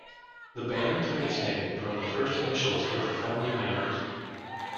The band took its name from the first initials of the founding members.